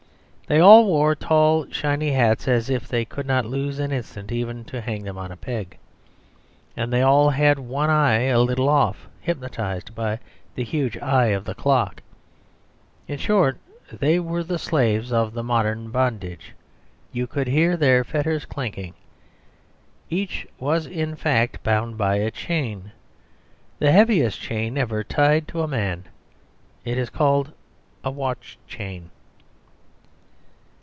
They all wore tall shiny hats as if they could not lose an instant even to hang them on a peg, and they all had one eye a little off, hypnotised by the huge eye of the clock. In short, they were the slaves of the modern bondage, you could hear their fetters clanking. Each was, in fact, bound by a chain; the heaviest chain ever tied to a man it is called a watch chain.